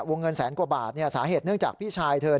เงินแสนกว่าบาทสาเหตุเนื่องจากพี่ชายเธอ